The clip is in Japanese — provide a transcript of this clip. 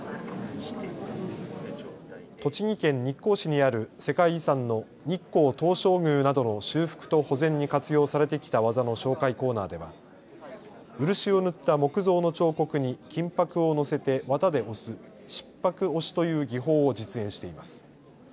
栃木県日光市にある世界遺産の日光東照宮などの修復と保全に活用されてきた技の紹介コーナーでは漆を塗った木造の彫刻に金ぱくを載せて綿で押す漆箔押しという技法を実演しています。